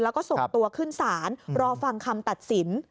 แล้วก็ส่งตัวขึ้นศาลรอฟังคำตัดสิน